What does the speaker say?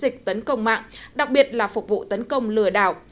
dịch tấn công mạng đặc biệt là phục vụ tấn công lừa đảo